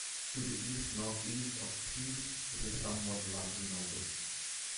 To the east-northeast of Pease is the somewhat larger Nobel.